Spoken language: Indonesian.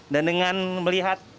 dan dengan melihat